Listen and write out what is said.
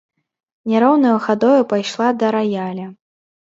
Няроўнаю хадою пайшла да раяля.